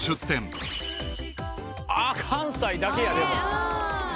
あっ関西だけや。